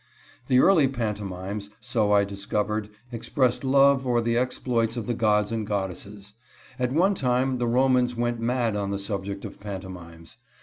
The early pantomimes, so I discovered, expressed love or the exploits of the gods and goddesses. At one time the Romans went mad on the subject of pantomimes.